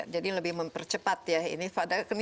jadi lebih mempercepat ya